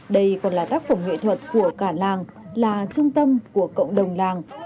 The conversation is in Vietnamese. đây còn là tác phẩm nghệ thuật của cả làng là trung tâm của cộng đồng làng